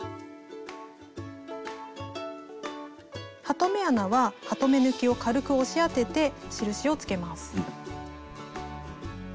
ハトメ穴はハトメ抜きを軽く押し当てて印をつけます。